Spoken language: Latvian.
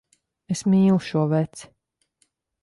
Es mīlu šo veci.